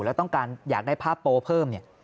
แล้วต้องการอยากได้ผ้าโป้เพิ่ม